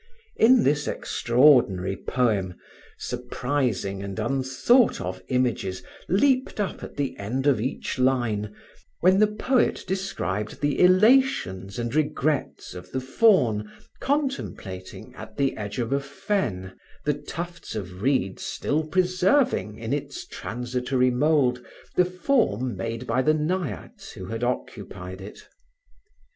In this extraordinary poem, surprising and unthought of images leaped up at the end of each line, when the poet described the elations and regrets of the faun contemplating, at the edge of a fen, the tufts of reeds still preserving, in its transitory mould, the form made by the naiades who had occupied it.